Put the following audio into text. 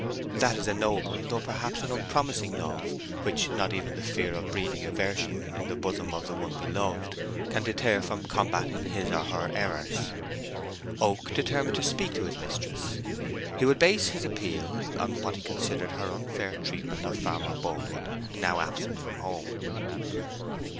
That is a noble though perhaps an unpromising love which not even the fear of breeding aversion in the bosom of the one beloved can deter from combating his or her errors. Oak determined to speak to his mistress. He would base his appeal on what he considered her unfair treatment of Farmer Boldwood, now absent from home.